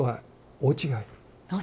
大違い。